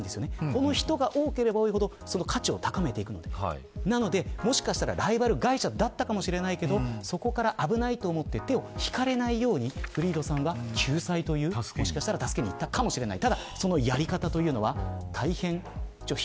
こういう人が多ければ多いほど価値を高めていくのでなので、もしかしたらライバル会社だったかもしれないけれどそこから危ないと思って手を引かれないようにフリードさんは救済というか助けにいったのかもしれない。